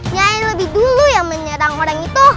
nyai lebih dulu yang menyerang orang itu